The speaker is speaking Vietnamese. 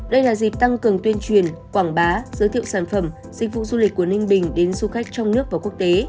đây là dịp tăng cường tuyên truyền quảng bá giới thiệu sản phẩm dịch vụ du lịch của ninh bình đến du khách trong nước và quốc tế